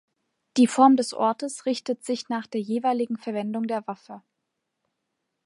Die Form des Ortes richtet sich nach der jeweiligen Verwendung der Waffe.